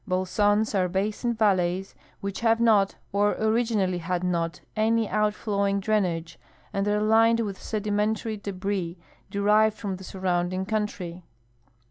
Bolsons are basin valleys which have not, or originally had not, an}^ out flowing drainage, and are lined with sedimentary debris derived from the surrounding countiy.